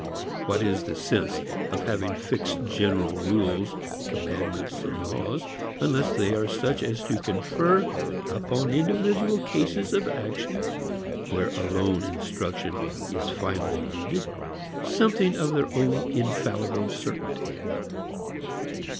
What is the sense in having fixed general rules, commandments, laws, unless they are such as to confer upon individual cases of action (where alone instruction is finally needed) something of their own infallible certainty?